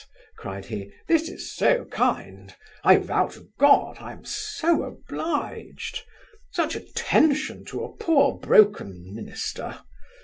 (cried he) this is so kind I vow to God! I am so obliged Such attention to a poor broken minister.